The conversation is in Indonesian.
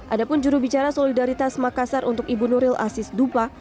ada pun jurubicara solidaritas makassar untuk ibu nuril asis dupa